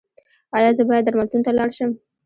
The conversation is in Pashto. ایا زه باید درملتون ته لاړ شم؟